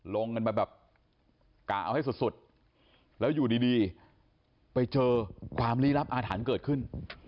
ลงกันมาแบบกะเอาให้สุดแล้วอยู่ดีไปเจอความลี้ลับอาถรรพ์เกิดขึ้น